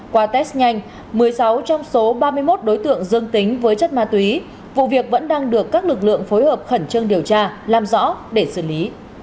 qua test nhanh một mươi sáu trong số ba mươi một đối tượng dương tính với chất ma túy vụ việc vẫn đang được các lực lượng phối hợp khẩn trương điều tra làm rõ để xử lý